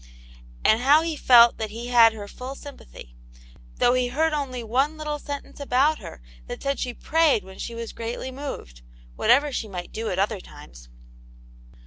And how he felt that he had her full sympathy, though, he heard only one little sentence about her that said she prayed when .she was greatly moved, whatever she might do at other times.